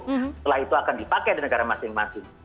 setelah itu akan dipakai di negara masing masing